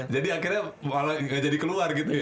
jadi akhirnya nggak jadi keluar gitu ya